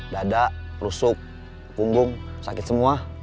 dada rusuk punggung sakit semua